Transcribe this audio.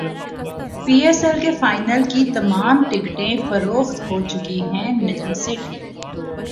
پی S L کے final کی تمام ٹکٹیں فروخت ہوچکی ہیں نجم سیٹھی